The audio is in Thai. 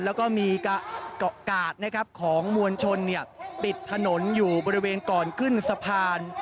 แล้วก็มีกระดของมวลชนปิดถนนอยู่บริเวณก่อนขึ้นสะพาน